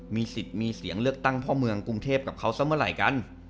มีสิทธิ์มีเสียงเลือกตั้งพ่อเมืองกรุงเทพกับเขาซะเมื่อไหร่กัน